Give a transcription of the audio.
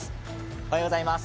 おはようございます。